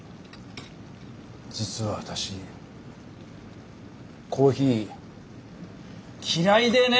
実は私コーヒー嫌いでね！